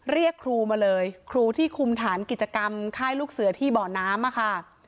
เรียกครูมาเลยครูที่คุมฐานกิจกรรมค่ายลูกเสือที่บ่อน้ำค่ะ